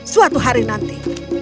suatu hari nanti